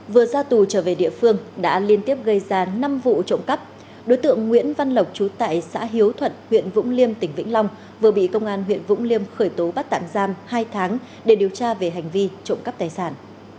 vừa ra tù trở về địa phương đã liên tiếp gây ra năm vụ trộm cắp đối tượng nguyễn văn lộc trú tại xã hiếu thuận huyện vũng liêm tỉnh vĩnh long vừa bị công an huyện vũng liêm khởi tố bắt tạm giam hai tháng để điều tra về hành vi trộm cắp tài sản